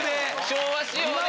昭和仕様で。